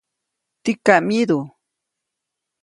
¿tikam myidu?